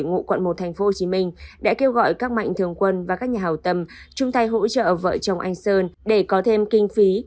ngụ quận một tp hcm đã kêu gọi các mạnh thường quân và các nhà hào tâm chung tay hỗ trợ vợ chồng anh sơn để có thêm kinh phí